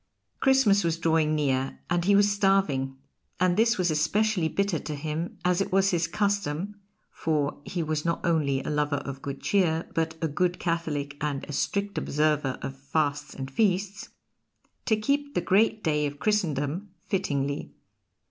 Christmas was drawing near, and he was starving; and this was especially bitter to him, as it was his custom (for he was not only a lover of good cheer, but a good Catholic and a strict observer of fasts and feasts) to keep the great day of Christendom fittingly.